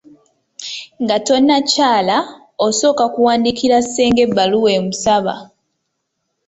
Nga tonnakyala, osooka kuwandiikira ssenga ebbaluwa emusaba.